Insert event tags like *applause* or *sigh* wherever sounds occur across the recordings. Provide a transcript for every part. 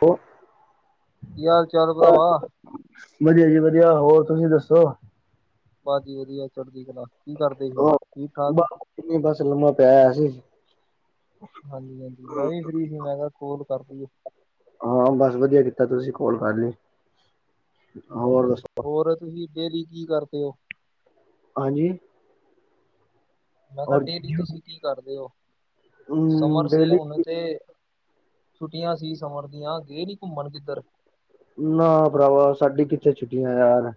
ਫ ਕੀ ਹਾਲ ਚਾਲ ਭਰਾਵਾ। ਵਧੀਆ ਜੀ ਵਧੀਆ ਹੋਰ ਤੁਸੀਂ ਦੱਸੋ? ਬਾਸ ਜੀ ਵਧੀਆ ਚੜਦੀ ਕਲਾ ਕੀ ਕਰਦੇ ਸੀ ਠੀਕ ਠਾਕ। ਕਿਨੀ ਬਸ ਲੰਮਾ ਪਿਆਇਆ ਸੀ। ਹਾਂਜੀ ਹਾਂਜੀ ਮੈਂ ਵੀ ਫ੍ਰੀ ਸੀ ਮੈਂ ਕਿਹਾ ਕੋਲ ਕਰਦੀ ਆ। ਹਾਂ, ਬਸ ਵਧੀਆ ਕੀਤਾ ਤੁਸੀ ਕੋਲ ਕਰਲੀ। ਹੋਰ, ਹੋਰ ਤੁਸੀ ਡੇਲੀ ਕੀ ਕਰਦੇ ਹੋ? ਹਾਂਜੀ। ਮੈਂ ਕਿਹਾ ਔਰ ਡੇਲੀ ਤੁਸੀਂ ਕੀ ਕਰਦੇ ਹੋ? ਹਮ ਸਮਰ ਸੀ, ਡੇਲੀ ਹੁਣ ਤੇ। ਛੁੱਟੀਆਂ ਸੀ ਸਮਰ ਦੀਆਂ। ਗਏ ਨੀ ਘੁੰਮਣ ਕਿੱਧਰ? ਨਾ ਭਰਾਵਾ, ਸਾਡੀ ਕਿੱਥੇ ਛੁੱਟੀਆਂ ਯਾਰ।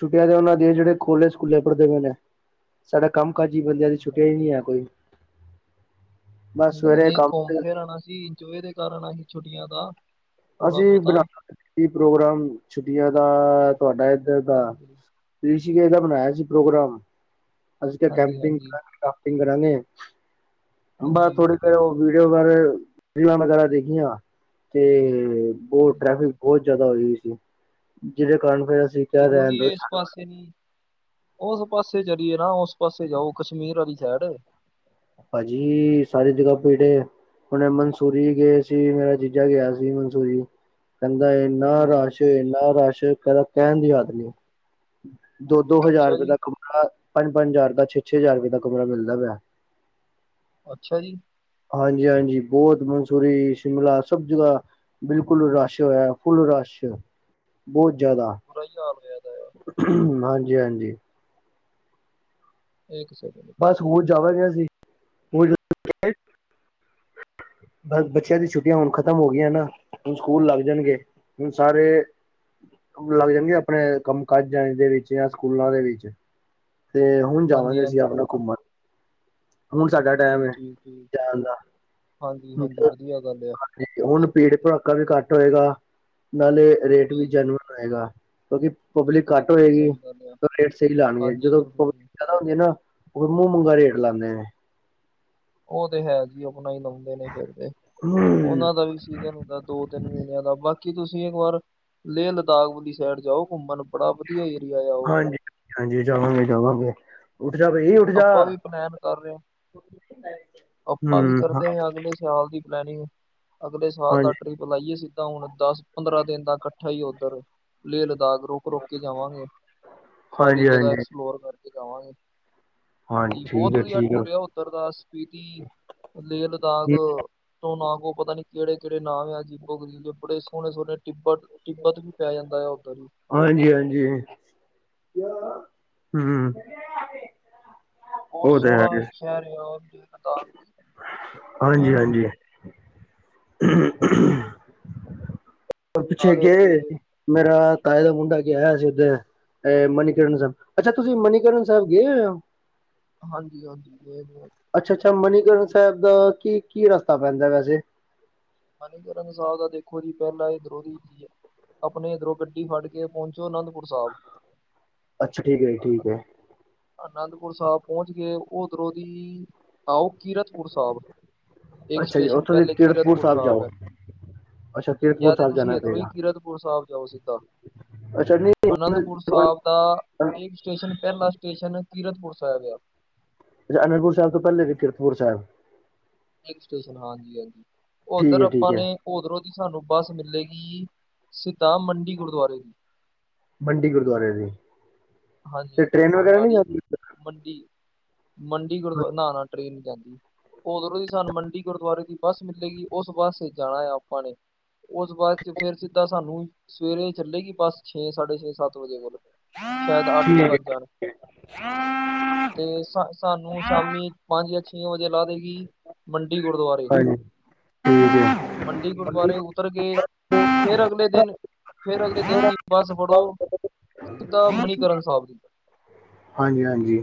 ਛੱਟੀਆਂ ਦੇ ਉਹਨਾਂ ਦੀਆ ਜਿਹੜੇ ਕੋਲੋਜ, ਸਕੂਲੇ ਪੜਦੇ ਪਏ ਨੇ। ਸਾਡਾ ਕੰਮਕਾਜੀ ਬੰਦਿਆਂ ਦੀ ਛੁੱਟੀਆਂ ਹੀ ਹਾਂਜੀ ਨਹੀ ਹੈ, ਕੋਈ। ਬਸ ਸਵੇਰੇ ਕੰਮ ਜਾਣਾ ਸੀ ਜੋ ਏਦੇ ਕਾਰਨ, ਆਈ ਛੁੱਟੀਆਂ ਦਾ। ਥੋੜਾ ਅਸੀਂ ਬਹੁਤਾ ਬਨਾਣਾ ਪ੍ਰੋਗਰਾਮ ਛੁੱਟੀਆਂ ਦਾ, ਤੁਆਡਾ ਇੱਧਰ ਦਾ। ਹਾਂਜੀ ਰਿਸ਼ੀਕੇਸ਼ ਦਾ ਬਨਾਇਆ ਸੀ, ਪ੍ਰੋਗਰਾਮ। ਅਸੀ ਕਿਆ, ਹਾਂਜੀ ਕੈਂਪਿੰਗ ਹਾਂਜੀ ਕਰਾਂਗੇ, ਕਰਾਫਟਿੰਗ ਕਰਾਂਗੇ, ਬਸ ਹਾਂਜੀ ਥੋੜੇ ਫੇਰ ਓ ਵੀਡੀਓ, ਵਗੈਰ ਰੀਲਾਂ ਵਗੈਰਾ ਦੇਖੀਆਂ, ਤੇ ਬਹੁਤ ਟ੍ਰੈਫਿਕ ਬਹੁਤ ਜਾਦਾ ਹੋਈ ਓਈ ਸੀ, ਜਿਦੇ ਕਾਰਨ ਫੇਰ ਅਸੀਂ ਕਿਹਾ ਰਹਿਣ ਜ਼ਰੂਰੀ ਦੋ ਏ, ਇਸ ਪਾਸ ਓਸ ਪਾਸੇ ਚਲੀਏ ਨਾ, ਓਸ ਪਾਸੇ ਜਾਓ, ਕਸ਼ਮੀਰ ਆਲੀ ਸਾਇਡ। ਪਾਜੀ, ਸਾਰੀ ਜਗਾ ਪੇੜੇ ਆ। ਹੁਣ ਮਨਸੂਰੀ ਗਏ ਸੀ, ਮੇਰਾ ਜੀਜਾ ਗਿਆ ਸੀ, ਮਨਸੂਰੀ। ਕਹਿੰਦਾ ਇਹਨਾ ਹਾਂਜੀ ਰਸ਼, ਇਹਨਾ ਰਸ਼ ਕਹਿੰਦਾ, ਕਹਿਣ ਦੀ ਹੱਦ ਨਹੀ। ਦੋ-ਦੋ ਹਜ਼ਾਰ ਅੱਛਾ ਰੁਪਏ ਜੀ, ਦਾ ਕਮਰਾ, ਪੰਜ-ਪੰਜ ਹਜ਼ਾਰ ਦਾ, ਛੇ-ਛੇ ਹਜ਼ਾਰ ਰੁਪਏ ਦਾ ਕਮਰਾ ਮਿਲਦਾ ਪਿਆ। ਅੱਛਾ ਜੀ! ਹਾਂਜੀ-ਹਾਂਜੀ, ਬਹੁਤ ਮੰਸੂਰੀ, ਸ਼ਿਮਲਾ ਸਭ ਜਗ੍ਹਾ ਬਿਲਕੁਲ ਰਸ਼ ਹੋਇਆ, ਫੁੱਲ ਰਸ਼। ਬਹੁਤ ਜ਼ਿਆਦਾ। ਬੁਰਾ ਹੀ ਹਾਲ ਹੋਇਆਦਾ ਏ। ਹਾਂਜੀ-ਹਾਂਜੀ। ਇੱਕ ਸ ਬਸ, ਹੁਣ ਜਾਵਾਗੇ ਅਸੀ। ਉਹ *unintelligible* ਬਸ, ਬੱਚਿਆਂ ਦੀ ਛੁੱਟੀਆਂ ਹੁਣ ਖ਼ਤਮ ਹੋ ਗਈਆਂ ਨਾ, ਹੁਣ ਸਕੂਲ ਲੱਗ ਜਾਣਗੇ। ਹੁਣ ਸਾਰੇ ਲੱਗ ਜਾਣਗੇ ਅਪਣੇ ਕੰਮ-ਕਾਜਾਂ ਦੇ ਵਿੱਚ, ਯਾਂ ਸਕੂਲਾਂ ਦੇ ਵਿੱਚ। ਤੇ, ਹੁਣ ਜਾਵਾਂਗੇ ਅਸੀਂ ਹਾਂਜੀ-ਹਾਂਜੀ, ਆਪਣਾ ਘੁੰਮਣ। ਹੁਣ ਸਾਡਾ ਜੀ ਟਾਇਮ ਏ ਠੀਕ ਠੀਕ, ਜਾਣ ਦਾ। ਹਾਂਜੀ-ਹਾਂਜੀ, ਵਧੀਆ ਗੱਲ ਆ। ਹੁਣ ਭੀੜ-ਭੜਾਕਾ ਵੀ ਘੱਟ ਹੋਇਗਾ, ਨਾਲੇ ਰੇਟ ਜੀ ਵੀ ਜੀ, ਜੈਨੳਨ ਹੋਇਗਾ। ਕਿਉਂਕਿ ਪਬਲਿਕ ਘਟ ਸਹੀ ਹੋਏਗੀ, ਗੱਲ ਆ, ਤਾਂ ਰੇਟ ਸਹੀ ਲਾਣਗੇ, ਹਾਂਜੀ ਜਦੋਂ ਬਿਲਕੁਲ ਪ ਜੀ, ਜਾਓਗੇ ਨਾ, ਉਦੋ ਮੂੰਹ-ਮੰਗਾ ਰੇਟ ਲਾੰਦੇ ਨੇ। ਓ ਤੇ ਹੈ ਜੀ, ਆਪਣਾ ਹੀ ਲਾਉਂਦੇ ਨੇ ਫਿਰ ਤੇ, ਓਹਨਾਂ ਦਾ ਵੀ ਸੀਜ਼ਨ ਹੁੰਦਾ ਦੋ-ਤਿੰਨ ਮਹੀਨਿਆਂ ਦਾ। ਬਾਕੀ ਤੁਸੀਂ ਇੱਕ ਵਾਰ ਲੇਹ-ਲਦਾਖ ਵਾਲੀ ਸਾਈਡ ਜਾਓ ਘੁੰਮਣ ਬੜਾ ਵਧੀਆ ਏਰੀਆ ਯਾ, ਓਹ। ਹਾਂਜੀ ਹਾਂਜੀ, ਜਾਵਾਂਗੇ-ਜਾਵਾਂਗੇ ਉੱਠ ਜਾ ਭਈ ਆਪਾਂ ਵੀ ਪਲੈਨ ਕਰ ਰਹੇ ਆਂ। *unintelligible* ਆਪਾਂ ਵੀ ਹਾਂ ਕਰਦੇ ਆਂ, ਅਗਲੇ ਸਾਲ ਦੀ ਪਲੈਨਿੰਗ। ਅਗਲੇ ਸਾਲ ਹਾਂਜੀ, ਦਾ ਟ੍ਰੀੱਪ ਲਾਈਏ ਸਿੱਧਾ ਹੁਣ, ਦਸ-ਪੰਦਰਾਂ ਦਿਨ ਦਾ ਕੱਠਾ ਈ ਓਧਰ। ਲੇਹ-ਲਦਾਖ ਰੋਕ-ਰੋਕਕੇ ਜਾਵਾਂਗੇ, ਸਾਰੀ ਹਾਂਜੀ, ਜਗ੍ਹਾ ਹਾਂਜੀ, ਐਕਸਪਲੋਰ ਕਰਕੇ ਜਾਵਾਂਗੇ। ਜੀ, ਬਹੁਤ ਹਾਂਜੀ ਵਧੀਆ ਠੀਕ ਐ, ਟੂਰ ਆ ਓਧਰ ਦਾ ਸ੍ਪੀਤੀ, ਲੇਹ-ਲਦਾਖ। ਠੀਕ ਐ। ਮੈਂਨੂੰ ਨਾਂ ਕੋ ਪਤਾ ਨੀ, ਕਿਹੜੇ-ਕਿਹੜੇ ਨਾਮ ਆ, ਅਜੀਬੋ-ਗਰੀਬ, ਬੜੇ ਸੋਣੇ-ਸੋਣੇ ਟਿੱਬਤ। ਤਿੱਬਤ ਵੀ ਪੈ ਜਾਂਦਾ ਯਾ, ਉੱਧਰ। ਹਾਂਜੀ-ਹਾਂਜੀ, ਹੁੰ। *inaudible* ਬੋਹਤ ਸੋਣਾ ਸ਼ਹਿਰ ਯਾਂ ਔਥੇ। ਹਾਂਜੀ-ਹਾਂਜੀ। ਨਾਲੇ ਉੱਥੇ *unintelligible* ਮੇਰਾ ਤਾਏ ਦਾ ਮੁੰਡਾ ਗਿਆ ਆਯਾਂ ਸੀ ਉਦੇ। ਐ, ਮਨੀਕਰਨ ਸਹਿਬ। ਅੱਛਾ ਤੁਸੀਂ ਮਨੀਕਰਨ ਸਹਿਬ ਗਏ ਹੋਏ ਔ? ਹਾਂਜੀ-ਹਾਂਜੀ *unintelligible* ਅੱਛਾ-ਅੱਛਾ, ਮਨੀਕਰਨ ਸਹਿਬ ਦਾ ਕੀ-ਕੀ ਰਸਤਾ ਪੈਂਦਾ ਵੈਸੇ? ਮਨੀਕਰਨ ਸਹਿਬ ਦਾ ਦੇਖੋ ਜੀ, ਪਹਿਲਾ ਏਧਦਰੋ *unintelligible* ਅਪਣੇ ਏੱਧਰੋਂ ਗੱਡੀ ਫੜ ਕੇ ਪਹੁੰਚੋ ਅਨੰਦਪੁਰ ਸਾਹਿਬ। ਅੱਛਾ, ਠੀਕ ਹੈ ਜੀ, ਠੀਕ ਅਨ- ਹੈ। ਅਨੰਦਪੁਰ ਸਾਹਿਬ ਪਹੁੰਚ ਗਏ ਉੱਧਰੋਂ ਦੀਂ। ਆਓ, ਕੀਰਤਪੁਰ ਸਾਹਿਬ ਇੱਕ ਅੱਛਾ ਜੀ, ਸਟੇਸ਼ਨ ਉੱਥੋਂ ਦੀ ਪਹਿਲੇ ਕੀਰਤ ਕੀਰਤਪੁਰ ਸਾਹਿਬ ਜਾਓ, ਅੱਛਾ ਕੀਰਤਪੁਰ ਜਾਂ ਤਾਂ ਸਾਹਿਬ ਤੁਸੀਂ ਜਾਣਾ ਇਧਰੋਂ ਹੀ ਪਏਗਾ। ਸਿੱਧਾ ਕੀਰਤਪੁਰ ਸਾਹਿਬ ਜਾਓ। ਅ ਚਟਨੀ *unintelligible* ਅਨੰਦਪੁਰ ਸਾਹਿਬ ਦਾ ਪਹਿਲਾਂ ਵਾਲਾ ਸਟੇਸ਼ਨ ਕੀਰਤਪੁਰ ਸਾਹਿਬ ਹੈ। ਅਨੰਦਪੁਰ ਸਾਹਿਬ ਤੋਂ ਪਹਿਲਾਂ ਹੈ ਕੀਰਤਪੁਰ ਸਾਹਿਬ। ਸਟੇਸ਼ਨ, ਹਾਂਜੀ-ਹਾਂਜੀ ਠੀਕ ਉੱਧਰ ਐ, ਠੀਕ ਆਪਾਂ ਐ। ਨੇ ਉੱਥੋਂ ਸਾਨੂੰ ਬੱਸ ਮਿਲੇਗੀ ਸਿੱਧਾ ਮੰਡੀ ਗੁਰੂਦੁਅਰੇ। ਮੰਡੀ ਗੁਰਦੁਆਰੇ ਦੀ। ਹਾਂਜੀ, ਤੇ ਟ੍ਰੇਨ ਵਗੈਰਾ ਨਹੀਂ ਮੋਨਾਲੀ, ਜਾਂਦੀ ਮੰਡੀ, ਮੰਡੀ ਗੁਰਦੁਆਰਾ, ਨਾਂ-ਨਾਂ, ਟ੍ਰੇਨ ਨੀਂ ਜਾਂਦੀ। ਔਧਰੋਂ ਦੀ ਸਾਨੂੰ ਮੰਡੀ ਗੁਰਦੁਆਰੇ ਦੀ ਬੱਸ ਮਿਲੇਗੀ। ੳਸ ਬੱਸ ਵਿੱਚ ਜਾਣਾ ਆ ਆਪਾਂ ਨੇ। ਔਸ ਬੱਸ ਚ ਫੇਰ ਸਿੱਧਾ ਸਾਨੂੰ ਸਵੇਰੇ ਚੱਲੇਗੀ ਬਸ, ਛੇ, ਸਾਡੇ -ਛੇ, ਸੱਤ ਵਜੇ ਕੋਲ। ਸ਼ਾਇਦ ਅੱਠ ਵੀ ਠੀਕ ਹੈ, ਵੱਜ ਜਾਣ। ਤੇ ਸਾਨੂੰ ਸ਼ਾਮੀ ਪੰਜ ਜਾਂ ਛੇ ਵਜੇ ਲਾ ਦੇਗੀ ਮੰਡੀ ਗੁਰਦੁਆਰੇ। ਹਾਂਜੀ ਠੀਕ ਹੈ ਮੰਡੀ ਗੁਰਦੁਆਰੇ ਉੱਤਰ ਕੇ ਫੇਰ ਅਗਲੇ ਦਿਨ, ਫੇਰ ਅਗਲੇ ਦਿਨ ਦੀ ਬੱਸ ਫੜੋ। ਸਿਧਾ, ਮਨੀਕਰਨ ਸਹਿਬ। ਹਾਂਜੀ-ਹਾਂਜੀ।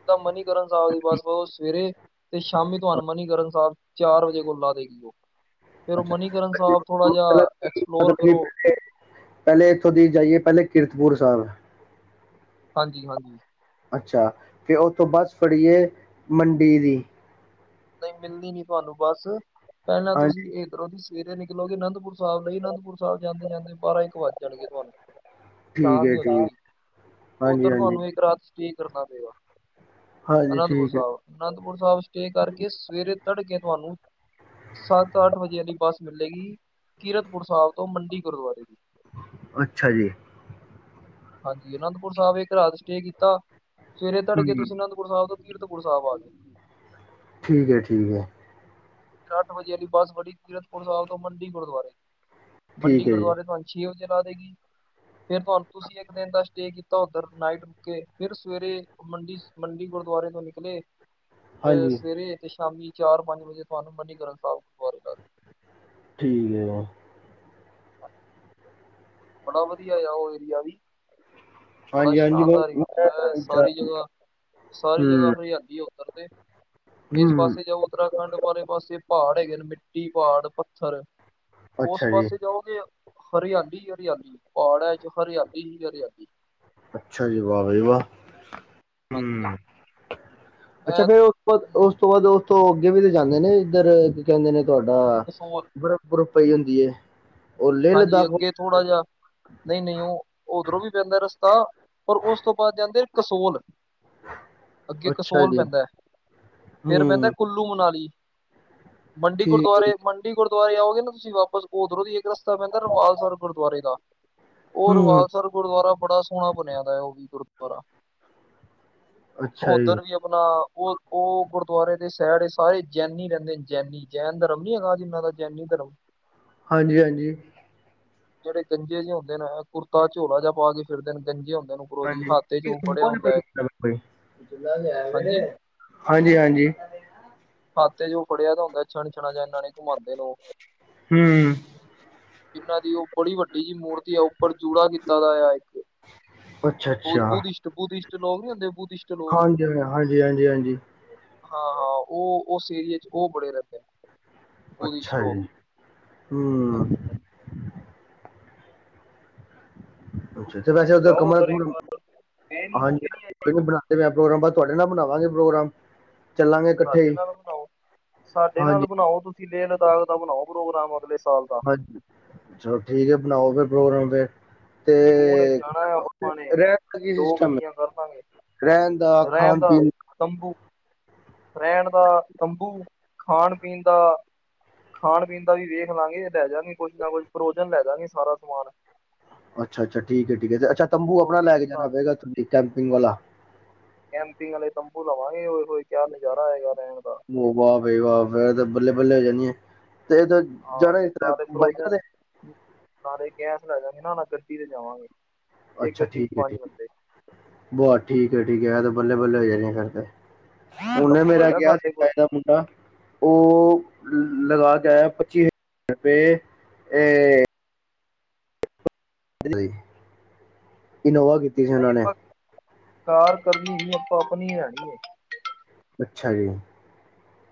ਸੀਧਾ ਮਨੀਕਰਨ ਸਾਹਿਬ ਦੀ ਬੱਸ ਬਵੋ ਸਵੇਰੇ, ਤੇ ਸ਼ਾਮੀ ਤੁਹਾਨੂੰ ਮਨੀਕਰਨ ਸਾਹਿਬ। ਚਾਰ ਵਜੇ ਕੋਲ ਲਾਂ ਦੇਗੀ, ਔ ਫੇਰ ਔ ਅੱਛਾ ਮਨੀਕਰਨ ਮਤਲਬ ਕਿ ਸਾਹਿਬ ਥੋੜਾ ਜਿਹਾ ਮਤਲਬ ਐਕਸਪਲੋਰ ਕਿ ਕਰੋ। ਪਹਿਲੇ- ਪਹਿਲੇ ਏੱਥੋਂ ਦੀ ਜਾਈਏ, ਪਹਿਲੇ ਕਿਰਤਪੁਰ ਸਾਹਿਬ। ਹਾਂਜੀ ਹਾਂਜੀ। ਅੱਛਾ, ਫਿਰ ਉਸਤੋ ਬੱਸ ਫੜਿਏ ਮੰਡੀ ਦੀ। ਨਹੀਂ ਮਿਲਣੀ ਤੁਹਾਨੂੰ ਬੱਸ, ਪਹਿਲਾਂ ਹਾਂਜੀ ਤੁਸੀਂ ਇੱਧਰੋਂ ਹੀ ਜਾਓ। ਸਵੇਰੇ ਨਿਕਲੋਗੇ ਅਨੰਦਪੁਰ ਸਾਹਿਬ ਲਈ ਅਨੰਦਪੁਰ ਸਾਹਿਬ ਜਾਂਦੇ- ਜਾਂਦੇ ਤੁਹਾ ਬਾਰਾਂ- ਇੱਕ ਵੱਜ ਜਾਣਗੇ ਤੁਹਾਨੂੰ। ਠੀਕ ਸ਼ਾਮ ਹੈ ਹੀ ਹੋ ਠੀਕ ਜਾਵੇਗੀ। ਹਾਂਜੀ ਉੱਧਰ ਹਾਂਜੀ ਤੁਹਾਨੂੰ ਇੱਕ ਰਾਤ ਰੁਕਣਾ ਪਵੇਗਾ। ਹਾਂਜੀ ਅਨੰਦਪੁਰ ਠੀਕ ਹੈ ਸਾਹਿਬ ਅਨੰਦਪੁਰ ਸਾਹਿਬ ਸਟੇਸ਼ਨ ਤੇ। ਕਰਕੇ ਸਵੇਰੇ ਤੜਕੇ ਤੁਹਾਨੂੰ। ਸੱਤ-ਅੱਠ ਵਜੇ ਵਾਲੀ ਬੱਸ ਮਿਲੇਗੀ ਕੀਰਤਪੁਰ ਸਾਹਿਬ ਤੋਂ ਮੰਡੀ ਗੁਰਦੁਆਰੇ। ਅੱਛਾ ਜੀ। ਹਾਂਜੀ, ਅਨੰਦਪੁਰ ਸਾਹਿਬ ਇਕ ਰਾਤ ਸਟੇ ਕੀਤਾ। ਸਵੇਰੇ ਹੂੰ ਤੜਕੇ ਤੁਸੀਂ ਆਨੰਦਪੁਰ ਸਾਹਿਬ ਤੋਂ ਕੀਰਤਪੁਰ ਸਾਹਿਬ ਆ ਗਏ। ਠੀਕ ਹੈ, ਠੀਕ ਹੈ। ਫਿਰ ਅੱਠ ਵਜੇ ਵਾਲੀ ਬੱਸ ਫੜੀ ਕੀਰਤਪੁਰ ਸਾਹਿਬ ਤੋਂ ਮੰਡੀ ਗੁਰਦੁਆਰੇ ਮੰਡੀ ਠੀਕ ਹੈ ਜੀ ਗੁਰਦੁਆਰੇ। ਛੇ ਵਜੇ ਲਾ ਦੇਗੀ ਫੇਿਰ ਤੁਹਾਨੂੰ ਤੁਸੀਂ ਇੱਕ ਦਿਨ ਦਾ ਸਟੇ ਕੀਤ ਉਧਰ ਨਾਈਟ ਉੱਥੇ ਹੀ ਰੁਕ ਕੇ ਫਿਰ ਸਵੇਰੇ। ਮੰਡੀ, ਮੰਡੀ ਗੁਰਦੁਆਰੇ ਤੋਂ ਨਿਕਲੇ। ਅਹ, ਹਾਂਜੀ ਸਵੇਰੇ ਤੇ ਸ਼ਾਮੀ ਚਾਰ- ਪੰਜ ਵਜੇ ਤੁਹਾਨੂੰ ਸਾਹਿਬ ਗੁਰਦੁਆਰੇ ਜਾ ਸਕਦੇ ਹੋ। ਠੀਕ ਹੈ ਬੜਾ ਵਧੀਆ ਆ, ਉਹ ਏਰੀਆ ਵੀ। ਬੜਾ ਹਾਂਜੀ ਹਾਂਜੀ ਬਹੁਤ ਸ਼ਾਨਦਾਰ ਹੂੰ ਏਰੀਆ ਹੈ, ਸਾਰੀ ਜਗ੍ਹਾ ਸਾਰੀ ਜਗ੍ਹਾ ਹਰਿਆਲੀ ਉਹ ਕਰਦੇ। ਹੂੰ ਇਸ ਪਾਸੇ ਜਾਓ, ਉੱਤਰਾਖੰਡ ਵਾਲੇ ਪਾਸੇ, ਪਆੜ ਹੈਗੇ ਨੇ, ਮਿੱਟੀ, ਪਾੜ, ਪੱਥਰ। ਉਸ ਅੱਛਾ ਜੀ ਪਾਸੇ ਜਾਓਗੇ, ਹਰਿਆਲੀ ਈ ਹਰਿਆਲੀ, ਪਾੜਾ ਇੱਚ ਹਰਿਆਲੀ ਈ ਹਰਿਆਲੀ। ਅੱਛਾ ਜੀ, ਵਾਹ ਬਈ ਵਾਹ। ਹਾਂਜੀ ਹਾਂ। ਹੂੰ ਅੱਛਾ ਫੇਰ ਉਸ ਤੋਂ ਬਾਦ, ਉਸ ਤੋਂ ਬਾਅਦ ਉਸ ਤੋਂ ਅੱਗੇ ਵੀ ਤੇ ਜਾਂਦੇ ਨੇ, ਇੱਧਰ ਕੀ ਕਹਿੰਦੇ ਨੇ ਤੁਹਾਡਾ, ਕਸੋਲ ਬਰਫ ਬੁਰਫ ਪਈ ਹੁੰਦੀ ਏ? ਉਹ ਲੇਹ ਹਾਂਜੀ, ਲਦਾਖ ਵੱਲ। ਅੱਗੇ ਥੋੜ੍ਹਾ ਜਿਆ ਨਈ-ਨਈ ਉਹ, ਉਧਰੋਂ ਵੀ ਪੈਂਦਾ ਰਸਤਾ। ਔਰ ਉਸ ਤੋਂ ਬਾਅਦ ਜਾਂਦੇ ਨੇ ਕਸੋਲ। ਅੱਗੇ ਅੱਛਾ ਕਸੋਲ ਜੀ ਪੈਂਦਾ ਏ, ਫੇਰ ਪੇਂਦਾ ਹੂੰ ਕੁੱਲ ਕੁੱਲੂ ਮਨਾਲੀ, ਮੰਡੀ ਠੀਕ ਹੈ ਗੁਰਦੁਆਰੇ, ਮੰਡੀ ਗੁਰਦੁਆਰੇ ਆਓਗੇ ਨਾ ਤੁਸੀਂ ਵਾਪਸ, ਉਧਰੋਂ ਦੀ ਇੱਕ ਰਸ ਸੀਦਾ ਪੈਂਦਾ ਰੁਵਾਲਸਰ ਗੁਰਦੁਆਰੇ ਦਾ, ਉਹ ਹੂੰ ਰੁਵਾਲਸਰ ਗੁਰਦੁਆਰਾ ਬੜਾ ਸੋਹਣਾ ਬਣਿਆ ਦਾ ਉਹ ਵੀ ਗੁਰਦੁਆਰਾ, ਅੱਛਾ ਜੀ ਉੱਧਰ ਵੀ ਅਪਣਾ ਉਹ-ਉਹ ਗੁਰਦੁਆਰੇ ਦੇ ਸੈਡ ਚ ਸਾਰੇ ਜੈਨੀ ਰਹਿੰਦੇ ਨੇ, ਜੈਨੀ। ਜੈਨ ਧਰਮ ਨੀ ਹੈਗਾ, ਜਿੰਨਾ ਦਾ ਜੈਨੀ ਧਰਮ। ਹਾਂਜੀ-ਹਾਂਜੀ। ਜਿਹੜੇ ਗੰਜੇ ਜੇ ਹੁੰਦੇ ਨੇ, ਕੁੜਤਾ ਝੋਲਾ ਜਾ ਪਾ ਕੇ ਫਿਰਦੇ ਨੇ, ਗੰਜੇ ਹੁੰਦੇ ਨੇ ਉੱਪਰੋਂ ਦੀ ਹਾਂਜੀ ਹਾਤੇ *unintelligible* ਜੋ ਫੜਿਆ ਹੁੰਦਾ ਹੈ ਚੂਲਾਹ ਲਿਆਯਾ ਵੇ, ਹਾਂਜੀ ਹਾਂਜੀ-ਹਾਂਜੀ। ਹਾਥ ਇੱਚ ਔ ਫੜਿਆ ਦਾ ਹੁੰਦਾ ਹੈ ਛਣਛਣਾ ਜੇਆ ਇਨ੍ਹਾਂ ਨੇ ਘੁਮਾਉਂਦੇ ਨੇ ਉਹ। ਹੂੰ ਜਿਨ੍ਹਾਂ ਦੀ ਔ ਬੜੀ ਵੱਡੀ ਜਿਹੀ ਮੂਰਤੀ ਹੈ, ਉਪਰ ਜੂੜਾ ਕੀਤਾ ਦਾ ਆਯਾ ਅੱਛਾ ਬੁ ਅੱਛਾ ਬੁਧਿਸ਼ਟ ਬੁਧਿਸ਼ਟ ਲੋਕ ਨੀ ਹੁੰਦੇ? ਬੁਧਿਸ਼ ਹਾਂਜੀ ਹਾਂ ਹਾਂਜੀ-ਹਾਂਜੀ-ਹਾਂਜੀ। ਹਾਂ-ਹਾਂ, ਉਹ ਉਸ ਏਰੀਏ ਚ ਉਹ ਬੜੇ ਰੇਂਦੇ ਨੇ। ਬੁਧਿਸਟ ਅੱਛਾ ਲੋਕ ਜੀ, ਹੂੰ। ਹਾਂਜੀ-ਹਾਂਜੀ। ਅੱਛਾ, ਤੇ ਵੈਸੇ ਅਗਰ ਜਾਓ ਕਮਰਾ ਉੱਧਰ ਇੱਕ ਕੁਰਮ, ਵਾਰ ਇਹ ਨੀ ਹੋਗੇ ਨੀ ਹਾਂਜੀ-ਹਾਂਜੀ। ਕੋਈ ਨਈ ਬਣਾਂਦੇ ਪਏ ਆ ਪ੍ਰੋਗਰਾਮ, ਬਾਸ ਤੁਆਡੇ ਨਾਲ ਬਣਾਵਾਂਗੇ ਪ੍ਰੋਗਰਾਮ। ਚੱਲਾਂਗੇ ਇਕੱਠੇ ਸਾਡੇ ਹੀ ਨਾਲ ਬਣਾਓ, ਸਾਡੇ ਨਾਲ ਹਾਂਜੀ ਬਣਾਓ ਤੁਸੀਂ ਲੇਹ ਲਦਾਖ ਦਾ ਬਣਾਓ ਪ੍ਰੋਗਰਾਮ, ਅਗਲੇ ਸਾਲ ਦਾ। ਚਲੋ ਠੀਕ ਹੈ ਬਣਾਓ ਫੇਰ ਪ੍ਰੋਗਰਾਮ ਤੇ। ਜੂਨ ਇੱਚ ਜਾਣਾ ਏ ਆਪਾਂ ਨੇ, ਰਹਿਣ ਦਾ ਕੀ ਦੋ ਸਿਸਟਮ ਗੱਡੀਆਂ ਕਰ ਲਾਂਗੇ। ਰਹਿਣ ਦਾ, ਰਹਿਣ ਖਾਣ ਦਾ ਪੀਣ ਤੰਬੂ, ਰਹਿਣ ਦਾ ਤੰਬੂ, ਖਾਣ ਪੀਣ ਦਾ ਖਾਣ ਪੀਣ ਦਾ ਵੀ ਵੇਖ ਲਾਂਗੇ, ਲੈ ਜਾਗੇ ਕੁਛ ਨਾ ਕੁਛ, ਫਰੋਜਨ ਲੈ ਜਾਂਗੇ ਸਾਰਾ ਸਮਾਨ। ਅੱਛਾ-ਅੱਛਾ ਠੀਕ ਹੈ, ਠੀਕ ਹੈ ਤੇ ਅੱਛਾ ਤੰਬੂ ਜੋ ਆਪਣਾ ਲੇ ਵੀ ਕੇ ਜਾਣਾ ਪਏਗਾ, ਇਥੋਂ ਦੀ ਕੈਂਪਿੰਗ ਵਾਲਾ। ਕੈਂਪਿੰਗ ਆਲੇ ਤੰਬੂ ਲਵਾਂਗੇ, ਓਏ ਹੋਏ ਕਿਆ ਨਜ਼ਾਰਾ ਆਏਗਾ ਰਹਿਣ ਦਾ। ਉਹ ਵਾਹ ਵਈ ਵਾਹ, ਫੇਰ ਤੇ ਬੱਲੇ-ਬੱਲੇ ਹੋ ਜਾਣੀ ਐ, ਤੇ ਹਾਂ, ਜਾਣਾ ਇਸ ਤਰ੍ਹਾਂ ਨਾਲੇ ਫਰੋਜ਼ ਹੈ। ਬਾਈਕਾਂ ਤੇ ਨਾਲੇ ਗੈਸ ਲੈ ਜਾਂਗੇ, ਨਾ-ਨਾ ਗੱਡੀ ਤੇ ਜਾਵਾਂਗੇ, ਏਕ ਗੱਡੀ ਚ ਪੰਜ ਬੰਦੇ। ਬਾਹ ਠੀਕ ਹੈ ਠੀਕ ਹੈ, ਐ ਤੇ ਬੱਲੇ-ਬੱਲੇ ਹੋ ਜਾਣੀ ਏ ਫਿਰ ਤੇ, ਹੁਣੇ ਤੰਬੂ ਮੇਰਾ ਹੈਗਾ ਗਿਆ ਸੀ ਸਾਡੇ ਕੋਲ *unintelligible* ਉਹ ਲਗਾ ਕੇ ਆਯਾ ਪੱਚੀ ਹਜ਼ਾਰ ਰੁਪਏ ਐ *unintelligible* ਇਨੋਵਾ ਕੀ ਨਹੀਂ ਆਪਾਂ, ਕਾਰ ਕਰਨੀ ਹੀ ਆਪਾਂ ਅਪਣੀ ਹੈਗੀ ਹੈ। ਅੱਛਾ ਜੀ।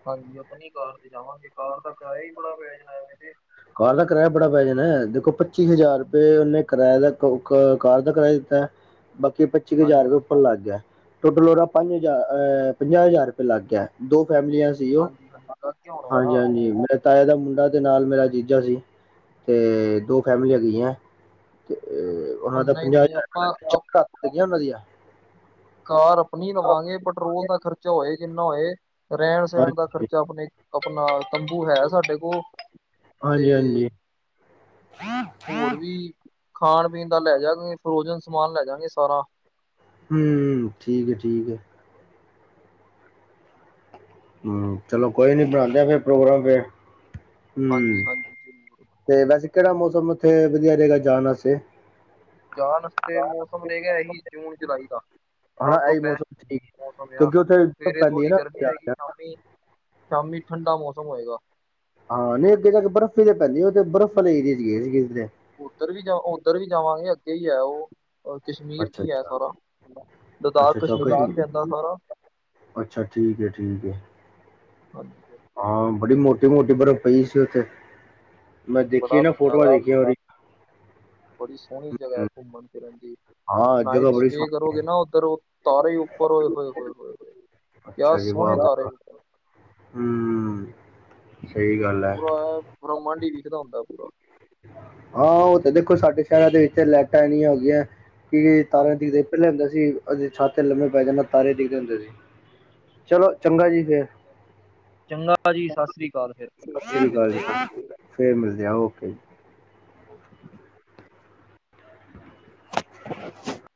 ਹਾਂਜੀ ਅਪਣੀ ਕਾਰ ਤੇ ਜਾਵਾਂਗੇ, ਕਾਰ ਦਾ ਕਿਰਾਇਆ ਹੀ ਬੜਾ ਪੈ ਜਾਣਾ ਐਵੇਂ ਤੇ। ਕਾਰ ਦਾ ਕਿਰਾਇਆ ਬੜਾ ਪੈ ਜਾਣਾ ਏ, ਦੇਖੋ ਪੱਚੀ ਹਜ਼ਾਰ ਰੁਪਏ ਉਹਨੇ ਕਿਰਾਇਆ ਦਾ ਕ ਕਾਰ ਦਾ ਕਿਰਾਇਆ ਦਿੱਤਾ ਏ, ਬਾਕੀ ਪੱਚੀ ਕੁ ਹਜ਼ਾਰ ਰੁਪਏ ਹਾਂਜੀ ਉੱਪਰ ਲੱਗ ਗਿਆ। ਟੋਟਲ ਔਦਾਂ ਪੰਜ ਹਜ਼ਾਰ ਅ ਪੰਜਾਹ ਹਜ਼ਾਰ ਰੁਪਏ ਲੱਗ ਗਿਆ, ਦੋ ਫੈਮਲੀਆਂ ਸੀ ਉਹ, ਹਾਂਜੀ ਹਾਂਜੀ ਲੱਗ ਹੋਣਾ ਆ ਹਾਂਜੀ-ਹਾਂਜੀ, ਮੇ ਤਾਏ ਦਾ ਮੁੰਡਾ ਤੇ ਨਾਲ ਮੇਰਾ ਜੀ ਦੂਜਾ ਸੀ, ਤੇ ਦੋ ਫੈਮਲੀਆਂ ਹੈਗੀਆਂ, ਤੇ, ਉਹ ਉਹਨਾਂ ਦਾ ਨਹੀਂ ਪੰਜਾਹ ਨਹੀਂ ਆਪਾਂ ਹਜ਼ਾਰ ਅਪ- ਚਕ ਸੀਗੀਆਂ ਉਹਨਾਂ ਦੀਆਂ। ਕਾਰ ਆਪਣੀ ਲਵਾਂਗੇ, ਪੈਟਰੋਲ ਦਾ ਖਰਚਾ ਹੋਏ ਜਿੰਨਾ ਹੋਏ, ਰਹਿਣ- ਸਹਿਣ ਦਾ ਹਾਂਜੀ ਖਰਚਾ ਆਪਣੇ, ਆਪਣਾ ਤੰਬੂ ਹੈ ਸਾਡੇ ਕੋਲ, ਹਾਂਜੀ ਤੇ ਹਾਂਜੀ ਹੋਰ ਵੀ ਖਾਣ- ਪੀਣ ਦਾ ਲੈ ਜਾਵਾਂਗੇ, ਸਮਾਨ ਲੈ ਜਾਵਾਂਗੇ ਸਾਰਾ ਹੂੰ, ਠੀਕ ਹੈ, ਠੀਕ ਹੈ। ਹੂੰ, ਚਲੋ ਕੋਈ ਨੀ ਬਣਾਉਂਦੇ ਆਂ ਫਿਰ ਪ੍ਰੋਗਰਾਮ ਫਿਰ, ਹੂੰ, ਹਾਂਜੀ ਹਾਂਜੀ ਜ਼ਰੂਰ ਤੇ ਵੈਸੇ ਕਿਹੜਾ ਮੌਸਮ ਉੱਥੇ ਵਧੀਆ ਰਹੇਗਾ ਜਾਣ ਵਾਸਤੇ? ਜਾਣ ਵਾਸਤੇ ਮੌਸਮ ਰਹੇਗਾ, ਹੀ ਜੂਨ ਜੁਲਾਈ ਦਾ ਹਨਾ ਸਭ ਤੋਂ ਇਹੀ ਬੈਸਟ ਮੌਸਮ ਠੀਕ, ਮੌਸਮ ਆ ਕਿਉਂਕਿ ਉੱਥੇ ਸਵੇਰੇ ਪੈਂਦੀ ਹੈ ਥੋੜ੍ਹੀ ਨਾ, ਗਰਮੀ ਹੋਏਗੀ ਸ਼ਾਮੀ ਸ਼ਾਮੀ ਠੰਡਾ ਮੌਸਮ ਹੋਏਗਾ। ਹਾਂ, ਨਹੀਂ ਅੱਗੇ ਜਾ ਕੇ ਬਰਫ਼ ਹੀ ਤੇ ਪੈਂਦੀ ਉਹ ਤੇ ਬਰਫ਼ ਵਾਲੇ ਏਰੀਏ ਚ' ਗਏ ਸੀਗੇ। ਉੱਧਰ ਵੀ ਜਾ, ਉੱਧਰ ਵੀ ਜਾਵਾਂਗੇ। ਅੱਗੇ ਹੀ ਹੈ ਉਹ ਰ ਕਸ਼ਮੀਰ 'ਚ' ਅੱਛਾ ਹੀ ਹੈ ਅੱਛਾ ਸਾਰਾ। ਲਦਾਖ, ਅੱਛਾ ਅੱਛਾ ਕਸ਼ਮੀਰ 'ਚ' ਹੀ ਕਸ਼ਮੀ- ਪੈਂਦਾ ਸਾਰਾ। ਅੱਛਾ। ਠੀਕ ਹੈ, ਠੀਕ ਹੈ। ਹਾਂਜੀ। ਸਰ ਹਾਂ, ਬੜੀ ਮੋਟੀ- ਮੋਟੀ ਬਰਫ਼ ਪਈ ਸੀ ਉੱਥੇ। ਮੈਂ ਦੇਖੀ ਹੈ ਬੜਾ ਨਾ ਫੋਟੋਆਂ ਨਜ਼ਾਰਾ ਦੇਖੀਆਂ ਜੀ, ਉਹਦੀ ਬੜੀ ਸੋਹਣੀ ਜਗ੍ਹਾ ਹੈ ਹਮ, ਘੁੰਮਣ- ਫਿਰਨ ਦੀ, ਫਿਰ ਹਾਂ ਜਗ੍ਹਾ ਨਾਈਟ ਬੜੀ ਸਟੇ ਸੋਹਣੀ ਕਰੋਗੇ ਨਾ ਉੱਧਰ। ਤਾਰੇ ਉੱਪਰ ਹੋਏ- ਹੋਏ- ਹੋਏ- ਹੋਏ- ਹੋਏ ਕਿਆ ਅੱਛਾ ਜੀ ਸੋਹਣੇ ਵਾਹ ਵਾਹ। ਤਾਰੇ ਉੱਪਰ। ਹੂੰ, ਸਹੀ ਗੱਲ ਹੈ, ਬਹਮਾਂ ਡੀ ਵਿਖਦਾ ਹੁੰਦਾ ਪੂਰਾ, ਹਾਂ ਉਹ ਤੇ ਦੇਖੋ ਸਾਡੇ ਸ਼ਹਿਰਾਂ ਦੇ ਵਿੱਚ ਲਾਈਟਾਂ ਇੰਨੀਆ ਹੈ ਗਈਆਂ। ਕਿ ਤਾਰੇ ਹਾਂਜੀ ਦਿਖਦੇ ਸੀ, ਪਹਿਲੇ ਹੁੰਦੇ ਸੀ ਛਤ ਤੇ ਲੰਮੇ ਪੈ ਜਾਂਦੇ ਤਾਰੇ ਦਿਖਦੇ ਹੁੰਦੇ ਸੀ। ਚਲੋ ਚੰਗਾ ਜੀ ਫੇਰ, ਚੰਗਾ ਜੀ ਸਤਿ ਸ੍ਰੀ ਅਕਾਲ ਫੇਰ, ਫੇਰ ਮਿਲਦੇ ਹਾਂ। ਫੇਰ ਮਿਲਦੇ ਓਕੇ ਜੀ। *inaudible*